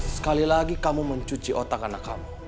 sekali lagi kamu mencuci otak anak kamu